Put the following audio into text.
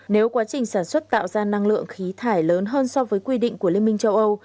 nếu quá trình sản xuất tạo ra năng lượng khí thải lớn hơn so với quy định của liên minh châu âu